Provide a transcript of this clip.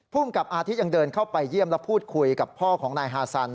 กับอาทิตยังเดินเข้าไปเยี่ยมและพูดคุยกับพ่อของนายฮาซัน